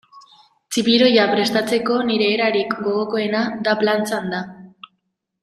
Txipiroia prestatzeko nire erarik gogokoena da plantxan da.